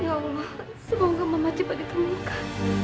ya allah semoga mama cepat ditemukan